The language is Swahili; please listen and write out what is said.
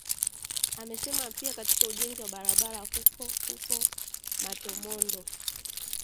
Amesema pia katika ujenzi wa barabara huko huko Matomondo